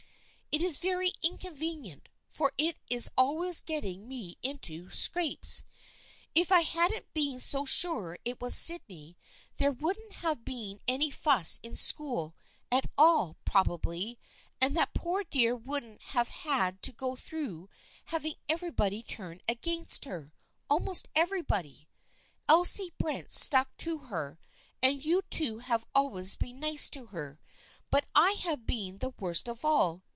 It is very inconvenient, for it is always getting me into scrapes. If I hadn't been so sure it was Sydney there wouldn't have been any fuss in school at all probably, and that poor dear wouldn't have had to go through having everybody turn against her. Almost everybody. Elsie Brent stuck to her, and you two have always been nice to her. But I have been the worst of all.